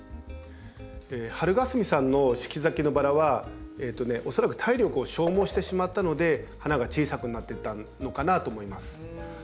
はるがすみさんの四季咲きのバラは恐らく体力を消耗してしまったので花が小さくなっていったのかなと思います。